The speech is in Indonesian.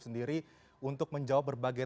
sendiri untuk menjawab berbagai